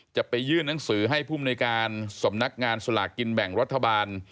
จะไปยื่นหนังสือให้ภูมิในการสำนักงานสลากกินแบ่งรัฐบาล